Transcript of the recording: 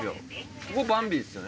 ここバンビっすよね？